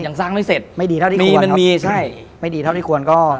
ยังสร้างไม่เสร็จมันมีใช่ไหมใช่ไม่ดีเท่าที่ควร